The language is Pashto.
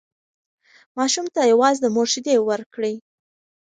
ماشوم ته یوازې د مور شیدې ورکړئ.